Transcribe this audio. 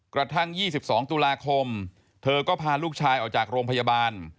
กระทั่ง๒๒ตุลาคมเธอก็พาลูกชายออกจากโรงพยาบาล